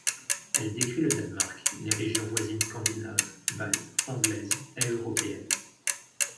Elle décrit le Danemark, les régions voisines scandinaves, baltes, anglaises et européennes.